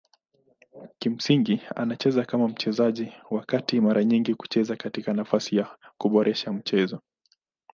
Kimsingi anacheza kama mchezaji wa kati mara nyingi kucheza katika nafasi kuboresha mchezo.